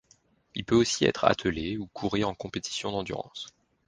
Il peut aussi être attelé, ou courir en compétitions d'endurance.